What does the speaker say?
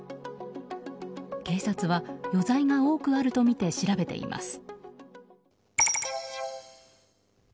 警察は余罪が多くあるとみて調べています。